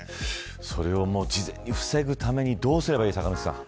それを事前に防ぐためにどうすればいい、酒主さん。